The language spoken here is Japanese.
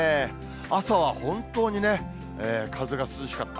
朝は本当にね、風が涼しかった。